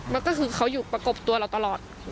มันก็คือเขาอยู่ประกบตัวเราตลอด